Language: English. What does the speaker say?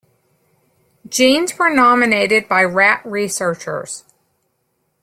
Genes were nominated by rat researchers.